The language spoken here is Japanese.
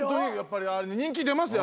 人気出ますよ